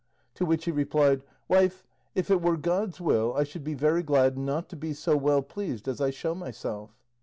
To which he replied, "Wife, if it were God's will, I should be very glad not to be so well pleased as I show myself."